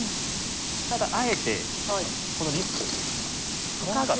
ただあえてこのリスク取らなかった。